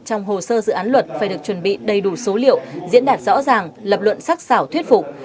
trong hồ sơ dự án luật phải được chuẩn bị đầy đủ số liệu diễn đạt rõ ràng lập luận sắc xảo thuyết phục